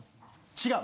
違う。